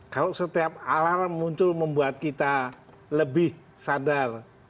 kalau setiap alarm muncul membuat kita lebih sadar